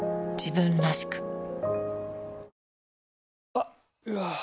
あっ、うわー。